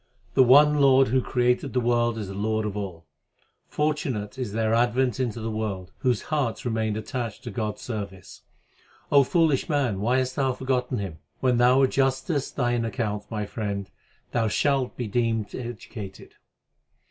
The one Lord who created the world is the Lord of all. Fortunate is their advent into the world, whose hearts remain attached to God s service. O foolish man, why hast thou forgotten Him ? When thou adjustest thine account, my friend, thou shalt be deemed educated.